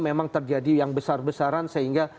memang terjadi yang besar besaran sehingga